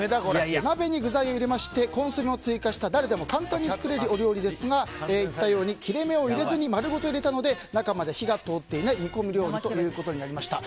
鍋に具材を入れましてコンソメを追加した誰でも簡単に作れるお料理ですが言ったように切れ目を入れずに丸ごと入れたので中まで火が通っていない煮込み料理となりました。